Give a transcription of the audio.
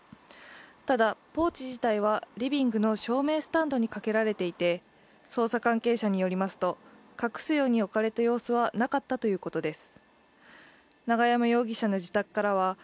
ただ、ポーチ自体はリビングの照明スタンドにかけられていて、捜査関係者によりますと、隠すように置かれた様子はなかったということです。